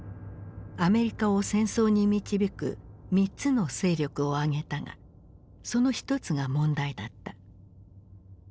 アメリカを戦争に導く３つの勢力を挙げたがその１つが問題だった。